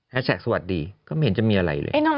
แฮสแทคสวัสดีไม่เห็นจะมีอะไรเลย